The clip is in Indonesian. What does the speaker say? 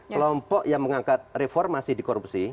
kelompok yang mengangkat reformasi di korupsi